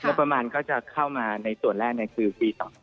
แล้วประมาณก็จะเข้ามาในส่วนแรกเนี่ยคือปี๒๐๑๙